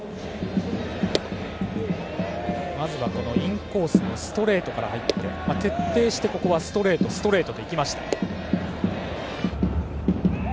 まずはインコースのストレートから入って徹底してここはストレート、ストレート。